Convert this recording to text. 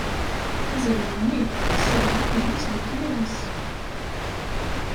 Azrem-nni yessebleε aqjun s lekmal-is.